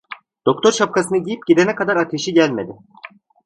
Doktor şapkasını giyip gidene kadar ateşi gelmedi…